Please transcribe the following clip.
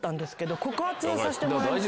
告発させてもらいます。